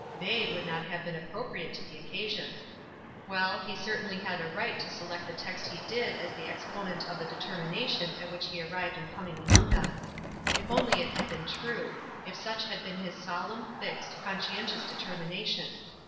They would not have been appropriate to the occasion. Well, he certainly had a right to select the text he did as the exponent of the determination at which he had arrived in com ing among them. If only it had been true — if such had been his solemn, fixed, conscien tious determination.